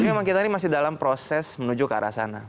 tapi memang kita ini masih dalam proses menuju ke arah sana